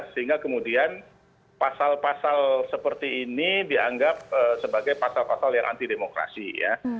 sehingga kemudian pasal pasal seperti ini dianggap sebagai pasal pasal yang anti demokrasi ya